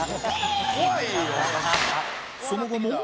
その後も